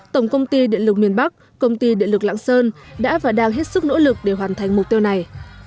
tổng công ty điện lực miền bắc công ty điện lực lạng sơn đã và đang hết sức nỗ lực để hoàn thành mục tiêu này